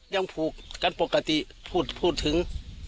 ยังผูกกันปกติพูดถึง